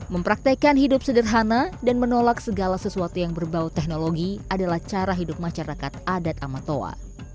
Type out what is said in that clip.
mempraktekan hidup sederhana dan menolak segala sesuatu yang berbau teknologi adalah cara hidup masyarakat adat amatoa